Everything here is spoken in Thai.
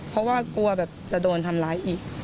เพราะว่ากลัวแบบจะโดนทำร้ายอีก